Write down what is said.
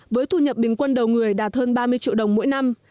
với thu nhập bình quân đầu người đạt hơn ba mươi triệu đồng mỗi năm